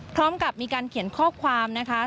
พร้อมกับมีการเขียนข้อความนะคะ